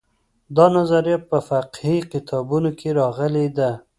دا نظریه په فقهي کتابونو کې راغلې ده.